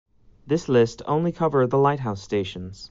This list only cover the lighthouse stations.